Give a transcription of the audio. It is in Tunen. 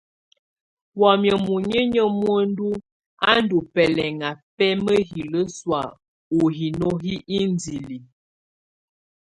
Wamɛ̀á muninƴǝ́ muǝndù á ndù bɛlɛŋà bɛ mǝhilǝ sɔ̀á ù hino hi indili.